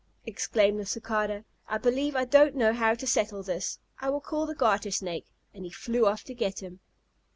exclaimed the Cicada, "I believe I don't know how to settle this. I will call the Garter Snake," and he flew off to get him.